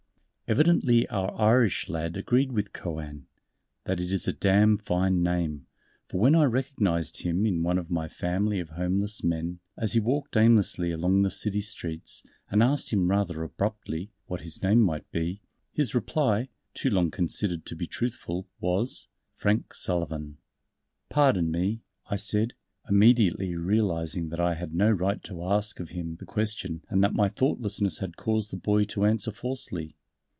Evidently our Irish Lad agreed with Cohan that "it is a d n fine name" for when I recognized in him one of my Family of Homeless Men as he walked aimlessly along the city streets, and asked him rather abruptly, what his name might be, his reply too long considered to be truthful was, "Frank Sullivan." "Pardon me," I said, immediately realizing that I had no right to ask of him the question and that my thoughtlessness had caused the boy to answer falsely.